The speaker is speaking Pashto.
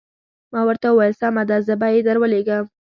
ما ورته وویل سمه ده زه به یې درولېږم.